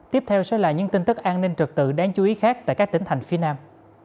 tiếp theo sẽ là những tin tức an ninh trật tự đáng chú ý khác tại các tỉnh thành phía nam